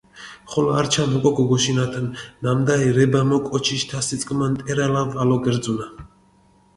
ხოლო ართშა მოკო გუგოშინათინ, ნამდა ერებამო კოჩიშ თასიწკუმა ნტერალა ვალო გერძუნა.